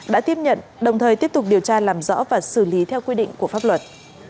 đã tiếp nhận đồng thời tiếp tục điều tra làm rõ và xử lý theo quy định của pháp luật